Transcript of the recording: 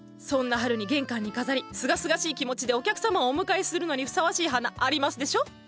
そんな春に玄関に飾りすがすがしい気持ちでお客様をお迎えするのにふさわしい花ありますでしょ？